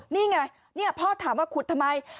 นี่ไงนี่พ่อถามว่าขุดทำไม